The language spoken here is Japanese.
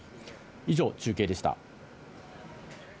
以上、中継でした。